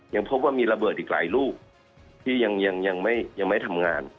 ยังพบว่ามีระเบิดอีกหลายลูกที่ยังไม่ทำงาน